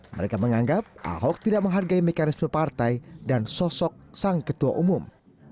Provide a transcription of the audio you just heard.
mereka menganggap ahok tidak menghargai mekanisme partai dan sosok sang ketua umum